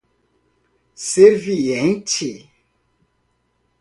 serviente